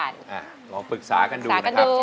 ลองปรึกษากันดูนะครับ